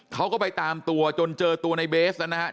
เขาก็ไปตามตัวจนเจอตัวในเบสนะครับ